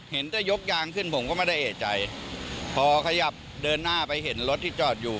เห็นแต่ยกยางขึ้นผมก็ไม่ได้เอกใจพอขยับเดินหน้าไปเห็นรถที่จอดอยู่